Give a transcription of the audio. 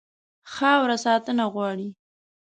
خاوره ساتنه غواړي.